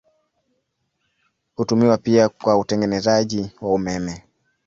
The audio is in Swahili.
Hutumiwa pia kwa utengenezaji wa umeme.